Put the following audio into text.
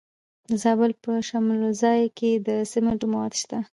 د زابل په شمولزای کې د سمنټو مواد شته.